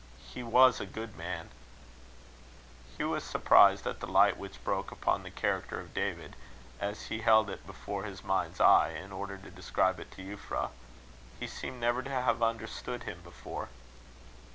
He was a good man." Hugh was surprised at the light which broke upon the character of David, as he held it before his mind's eye, in order to describe it to Euphra. He seemed never to have understood him before.